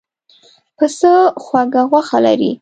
پسه خوږه غوښه لري.